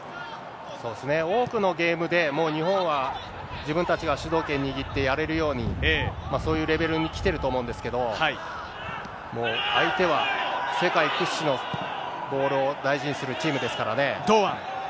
そうですね、多くのゲームで、もう日本は自分たちが主導権握ってやれるように、そういうレベルに来てると思うんですけど、もう相手は世界屈指のボールを大事にするチームですからね。